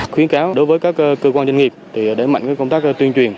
khuyến cáo đối với các cơ quan doanh nghiệp để mạnh công tác tuyên truyền